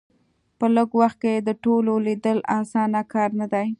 په لږ وخت کې د ټولو لیدل اسانه کار نه دی.